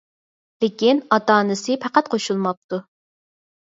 لېكىن ئاتا-ئانىسى پەقەت قوشۇلماپتۇ.